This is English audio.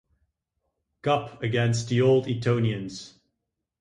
Cup against the Old Etonians.